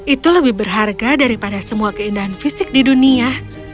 itu lebih berharga daripada semua keindahan fisik di dunia